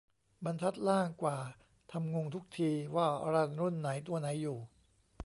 บรรทัดล่างกว่า ทำงงทุกที ว่ารันรุ่นไหนตัวไหนอยู่